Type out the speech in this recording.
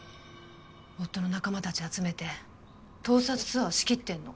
夫の仲間たち集めて盗撮ツアーを仕切ってんの。